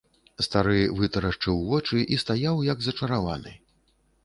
Стары вытарашчыў вочы і стаяў як зачараваны.